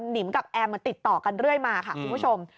นิมกับแอมติดต่อกันเรื่อยมาค่ะคุณผู้ชม